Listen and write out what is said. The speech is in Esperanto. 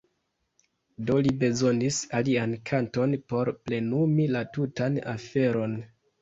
Do ni bezonis alian kanton por plenumi la tutan aferon.